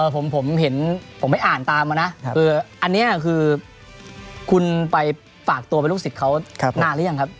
ผมเห็นผมไปอ่านตามมานะคืออันนี้คือคุณไปฝากตัวเป็นลูกศิษย์เขานานหรือยังครับ